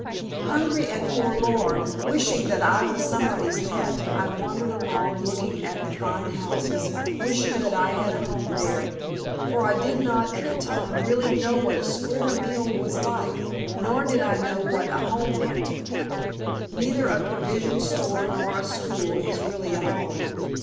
Hungry and forlorn, wishing that I was someone's pet, I wandered along, looking at the fine houses, wishing that I had a home there, for I did not at the time really know what a "square meal" was like, nor did I know what a home meant. Neither a provision store nor a school is really a home.